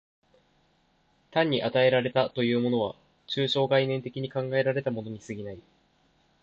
単に与えられたものというものは、抽象概念的に考えられたものに過ぎない。